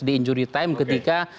di injury time ketika